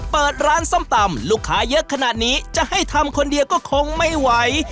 เปิดร้านส้มตำลูกค้าเยอะขนาดนี้จะให้ทำคนเดียวก็คงไม่ไหว